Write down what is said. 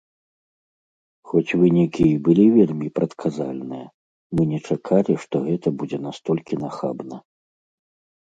Хоць вынікі і былі вельмі прадказальныя, мы не чакалі, што гэта будзе настолькі нахабна.